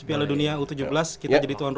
piala dunia u tujuh belas kita jadi tuan rumah